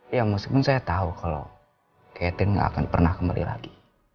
ya meskipun saya tahu kalau catherine gak akan pernah kembali lagi